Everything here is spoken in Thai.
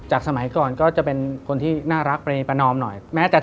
จากสมัยก่อนก็จะเป็นคนที่น่ารักเป็นประนอมหน่อย